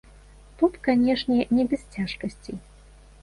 Тут, канешне, не без цяжкасцей.